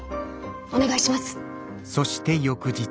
お願いします。